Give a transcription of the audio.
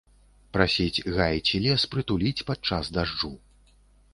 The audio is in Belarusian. Прасіць гай ці лес прытуліць падчас дажджу.